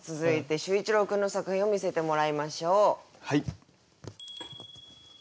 続いて秀一郎君の作品を見せてもらいましょう。